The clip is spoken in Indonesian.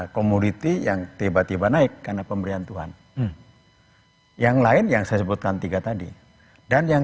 komoditi yang tiba tiba naik karena pemberian tuhan yang lain yang saya sebutkan tiga tadi dan yang